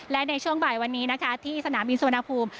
และในช่วงบ่ายวันนี้นะคะที่สนามบินสุวรรณภูมิ